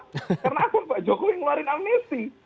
karena aku pak jokowi yang ngeluarin amnesti